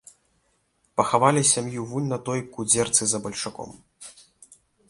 Пахавалі сям'ю вунь на той кудзерцы за бальшаком.